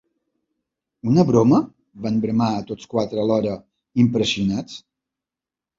Una broma? —van bramar tots quatre alhora, impressionats.